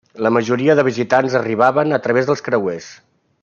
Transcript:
La majoria dels visitants arriben a través de creuers.